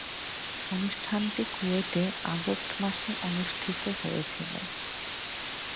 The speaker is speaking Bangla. অনুষ্ঠানটি কুয়েটে আগস্ট মাসে অনুষ্ঠিত হয়েছিলো।